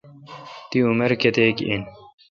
تی عمر کیتیک این۔